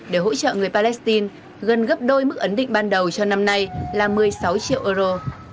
để hỗ trợ người palestine gần gấp đôi mức ấn định ban đầu cho năm nay là một mươi sáu triệu euro